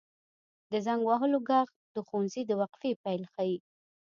• د زنګ وهلو ږغ د ښوونځي د وقفې پیل ښيي.